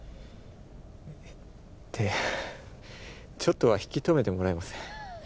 えっ？ってちょっとは引き止めてもらえません？